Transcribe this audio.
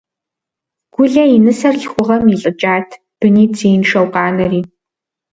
Гулэ и нысэр лъхугъэм илӀыкӀат, бынитӀ зеиншэу къанэри.